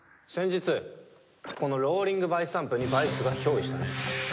先日このローリングバイスタンプにバイスが憑依したね。